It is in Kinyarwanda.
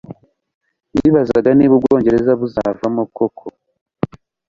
bibazaga niba u bwongereza buzavamo koko